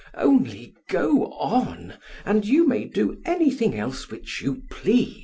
PHAEDRUS: Only go on and you may do anything else which you please.